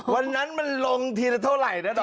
วันนั้นมันลงทีละเท่าไหร่นะต่อ